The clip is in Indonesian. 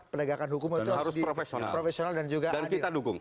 pendagangan hukum itu harus profesional dan juga adil